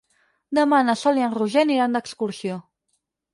Demà na Sol i en Roger aniran d'excursió.